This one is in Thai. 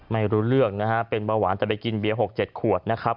ไม่รู้เรื่องนะฮะเป็นเบาหวานแต่ไปกินเบียร์๖๗ขวดนะครับ